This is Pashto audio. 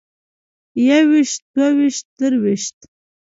يوويشت دوويشت درويشت